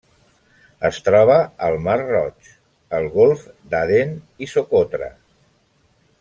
Es troba al Mar Roig, el Golf d'Aden i Socotra.